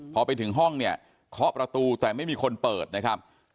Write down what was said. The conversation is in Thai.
พอไปถึงห้องเนี่ยเคาะประตูแต่ไม่มีคนเปิดนะครับ